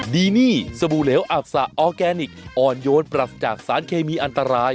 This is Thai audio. ดีนี่สบู่เหลวอับสะออร์แกนิคอ่อนโยนปรัสจากสารเคมีอันตราย